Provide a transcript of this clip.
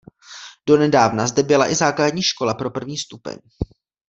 Donedávna zde byla i základní škola pro první stupeň.